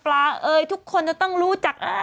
เอ่ยทุกคนจะต้องรู้จัก